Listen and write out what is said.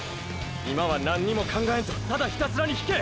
今は何にも考えんとただひたすらに引け！！